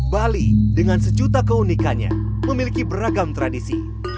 bali dengan sejuta keunikannya memiliki beragam tradisi